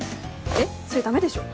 えっそれダメでしょ。